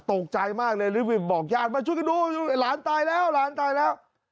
ตกใจมากเลยรีบบอกญาติมาช่วยกันดูหลานตายแล้วหลานตายแล้ว